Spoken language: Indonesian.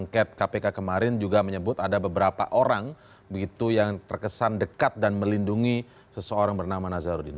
angket kpk kemarin juga menyebut ada beberapa orang yang terkesan dekat dan melindungi seseorang bernama nazarudin